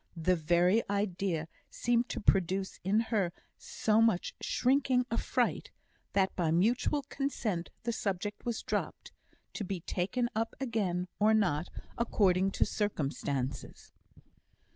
The very idea seemed to produce in her so much shrinking affright, that by mutual consent the subject was dropped; to be taken up again, or not, according to circumstances.